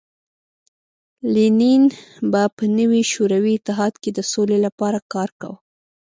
لینین به په نوي شوروي اتحاد کې د سولې لپاره کار کاوه